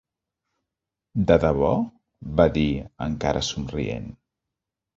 "De debò?", va dir, encara somrient.